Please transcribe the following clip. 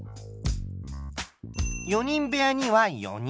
４人部屋には４人。